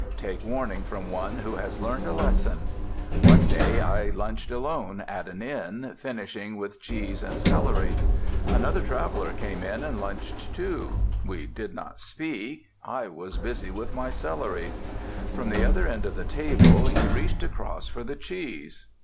Take warning from one who has learnt a lesson. One day I lunched alone at an inn, finishing with cheese and celery. Another traveler came in and lunched too. We did not speak I was busy with my celery. From the other end of the table he reached across for the cheese.